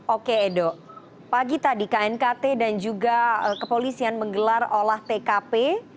oke edo pagi tadi knkt dan juga kepolisian menggelar olah tkp